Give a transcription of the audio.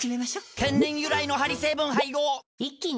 天然由来のハリ成分配合一気に！